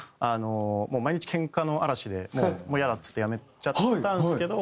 もう毎日けんかの嵐でもうイヤだっつってやめちゃったんですけど。